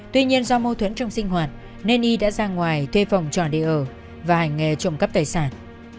tuy nhiên do mâu thuẫn trong sinh hoạt nên y đã ra ngoài thuê phòng trọ để ở và hành nghề trộm cắp tài sản